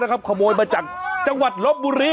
สู่คนร้ายนะครับเขโมยมาจากจังหวัดลบบุรี